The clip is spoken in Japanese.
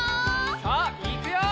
さあいくよ！